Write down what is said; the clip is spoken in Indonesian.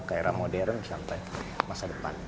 ke era modern sampai masa depan